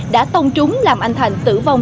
đã tông trúng làm anh thành tử vong